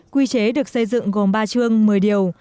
quy chế được xây dựng gồm ba chương mười điều